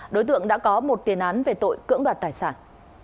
đối tượng đã có một tiền án về tội cưỡng đoạt tài sản